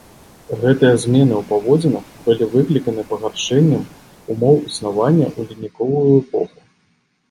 Гэтыя змены ў паводзінах былі выкліканы пагаршэннем умоў існавання ў ледавіковую эпоху.